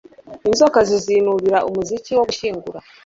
inzoka zizinubira umuziki wo gushyingura